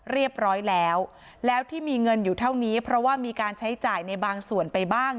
เรียบร้อยแล้วแล้วที่มีเงินอยู่เท่านี้เพราะว่ามีการใช้จ่ายในบางส่วนไปบ้าง